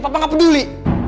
tapi papa nggak peduli